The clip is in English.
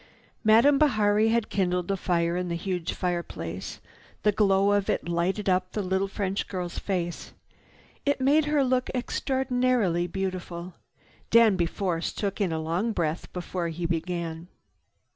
Madame Bihari had kindled a fire in the huge fireplace. The glow of it lighted up the little French girl's face. It made her look extraordinarily beautiful. Danby Force took in a long breath before he began.